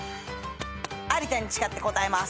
有田に誓って答えます。